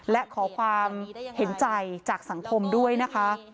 และขอความเห็นใจจากสังคมด้วยนะคะ